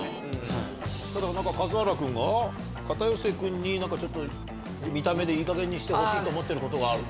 数原君が、片寄君になんかちょっと、見た目でいいかげんにしてほしいと思っていることがあると。